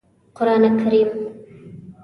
قرآن کریم